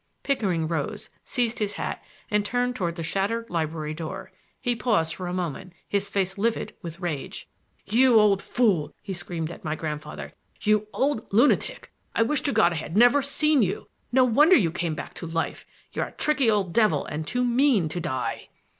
Pickering rose, seized his hat and turned toward the shattered library door. He paused for one moment, his face livid with rage. "You old fool!" he screamed at my grandfather. "You old lunatic, I wish to God I had never seen you! No wonder you came back to life! You're a tricky old devil and too mean to die!"